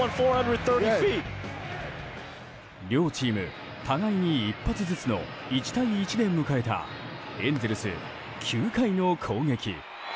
両チーム互いに一発ずつの１対１で迎えたエンゼルス、９回の攻撃。